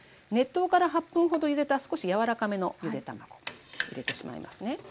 熱湯から８分ほどゆでた少し柔らかめのゆで卵。入れてしまいますね。